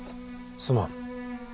すまん。